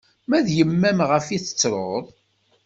Ma d yemma-m ɣef i tettruḍ?